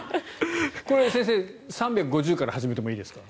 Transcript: これは先生３５０から始めてもいいですか？